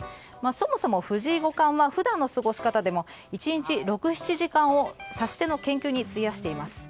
そもそも藤井五冠は普段の過ごし方でも１日６７時間を指し手の研究に費やしています。